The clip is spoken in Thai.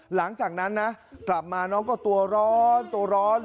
หลังจากนั้นนะกลับมาน้องก็ตัวร้อนตัวร้อน